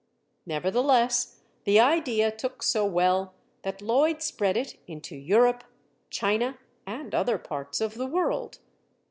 Nevertheless the idea took so well that Lloyd spread it into Europe, China, and other parts of the world.